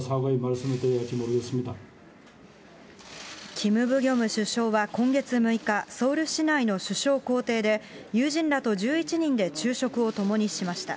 キム・ブギョム首相は今月６日、ソウル市内の首相公邸で、友人らと１１人で昼食をともにしました。